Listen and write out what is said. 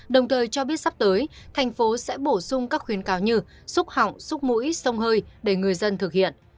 đồng thời cho biết sắp tới thành phố sẽ bổ sung các khuyến cáo như xúc họng xúc mũi sông hơi để người dân thực hiện